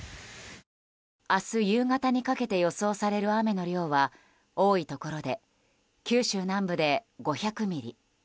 明日夕方にかけて予想される雨の量は多いところで九州南部で５００ミリ